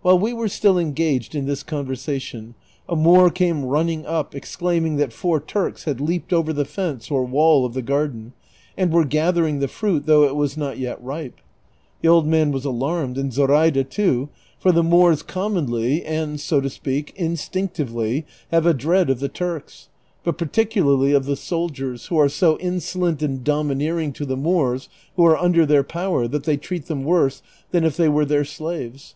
While we were still engaged in this conversation, a Moor came running up, exclaiming that four Turks had leaped over the fence or wall of the garden, and were gathering the fruit, though it was not yet ripe. The old man was alarmed and Zoraida too, for the Moors <;oramonl}% and, so to speak, instinctively have a dread of the Turks, but particularly of the soldiers, who are so insolent and domineering to the Moors who are under their power that they treat them worse than if they were their slaves.